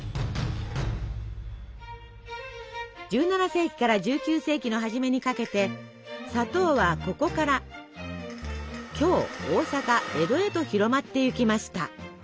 １７世紀から１９世紀の初めにかけて砂糖はここから京大坂江戸へと広まっていきました。